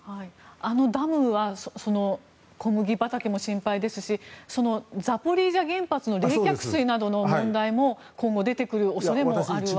あのダムは小麦畑も心配ですしザポリージャ原発の冷却水の問題も今後、出てくる恐れもあるわけですね。